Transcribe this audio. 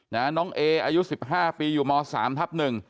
น้องเออายุ๑๕ปีอยู่ม๓ทัพ๑